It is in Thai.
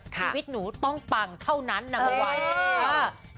ชีวิตหนูต้องปั่งเท่านั้นนางวัน